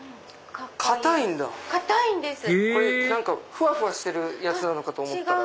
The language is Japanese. ふわふわしてるやつなのかと思ったら。